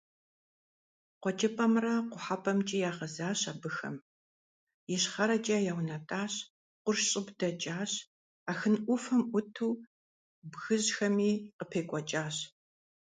КъуэкӀыпӀэмрэ къухьэпӀэмкӀи ягъэзащ абыхэм, ищхъэрэкӀэ яунэтӀащ, къурш щӀыб дэкӀащ, Ахын Ӏуфэм Ӏуту бгыжьхэми къыпекӀуэкӀащ.